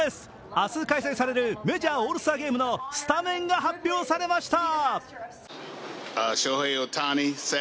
明日開催されるメジャー・オールスターゲームのスタメンが発表されました。